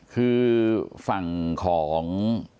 คือฝั่งของ